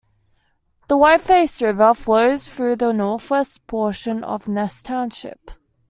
The Whiteface River flows through the northwest portion of Ness Township.